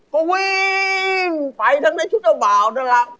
ก็วิ่งไปทั้งในชุดเจ้าบ่าวนั่นแหละ